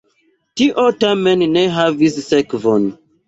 Tio tamen ne havis sekvon.